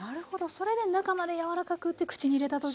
それで中までやわらかくって口に入れた時に。